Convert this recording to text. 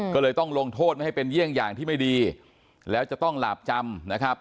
ก็เลยต้องลงโทษไม่ให้เป็นเยี่ยงอย่างที่ไม่ดีแล้วจะต้องหลาบจำนะครับ